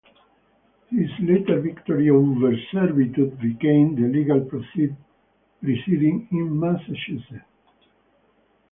His later victory over servitude became the legal precedent in Massachusetts.